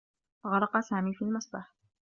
غرق سامي في المسبح.